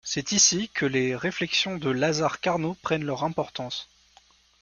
C’est ici que les réflexions de Lazare Carnot prennent leur importance.